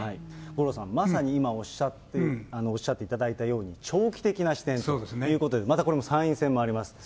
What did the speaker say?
五郎さん、まさに今おっしゃっていただいたように、長期的な視点ということで、またこれも参院選もあります。